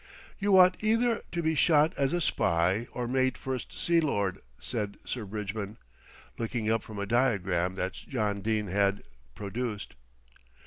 "You ought either to be shot as a spy or made First Sea Lord," said Sir Bridgman, looking up from a diagram that John Dene had produced.